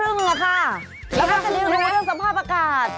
แล้วก็จะได้รู้เรื่องสภาพอากาศ